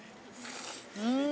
うん。